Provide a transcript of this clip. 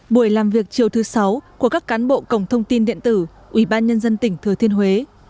buổi làm việc chiều thứ sáu của các cán bộ cổng thông tin điện tử ủy ban nhân dân tỉnh thừa thiên huế